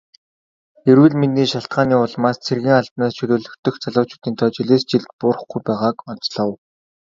Эрүүл мэндийн шалтгааны улмаас цэргийн албанаас чөлөөлөгдөх залуучуудын тоо жилээс жилд буурахгүй байгааг онцлов.